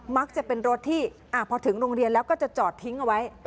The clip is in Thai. มักจะเป็นรถที่พอถึงโรงเรียนแล้วก็จะจอดทิ้งเอาไว้